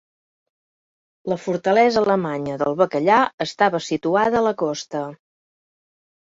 La fortalesa alemanya del bacallà estava situada a la costa.